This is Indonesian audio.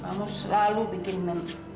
kamu selalu bikin nenek